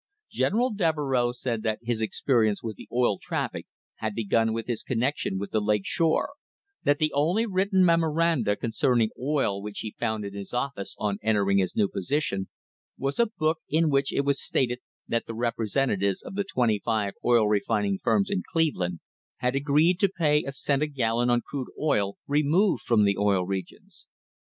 General Devereux said that his experience with the oil traffic had begun with his connection with the Lake Shore; that the only written memoranda concerning oil which he found in his office on entering his new position was a book in which it was stated that the representatives of the twenty five oil refining firms in Cleveland had agreed to pay a cent a gal lon on crude oil removed from the Oil Regions.